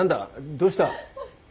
どうした？